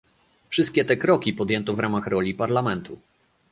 Wszystkie te kroki podjęto w ramach roli Parlamentu